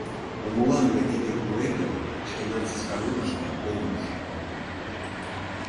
Но молан мый тиде уэтым шкенан Сасканурышто ом уж?